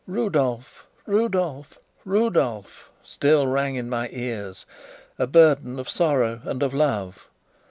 "Rudolf! Rudolf! Rudolf!" still rang in my ears a burden of sorrow and of love.